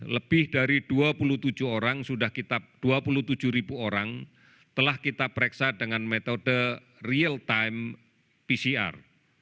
lebih dari dua puluh tujuh ribu orang telah kita pereksa dengan metode real time pcr